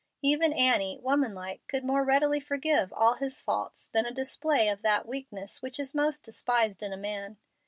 Even Annie, woman like, could more readily forgive all his faults than a display of that weakness which is most despised in a man.